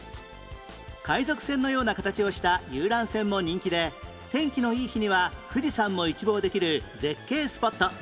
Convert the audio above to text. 海賊船のような形をした遊覧船も人気で天気のいい日には富士山も一望できる絶景スポット